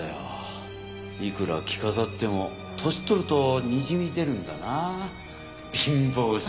いくら着飾っても年取るとにじみ出るんだな貧乏臭。